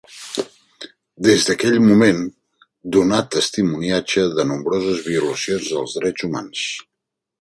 Des d'aquell moment, donà testimoniatge de nombroses violacions dels drets humans.